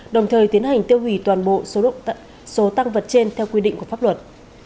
đồng thời tiến hành tiêu hủy toàn bộ số tăng vật trên theo quy định của pháp luật